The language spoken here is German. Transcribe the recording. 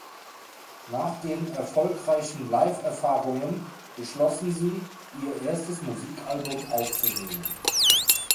Nach den erfolgreichen Live-Erfahrungen beschlossen sie, ihr erstes Musikalbum aufzunehmen.